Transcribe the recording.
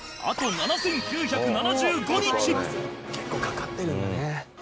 結構かかってるんだね。